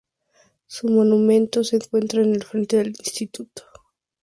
Su monumento se encuentra en el frente del instituto.